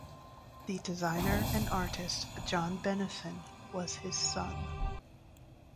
The designer and artist John Benison was his son.